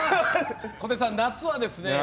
小手さん、夏はですね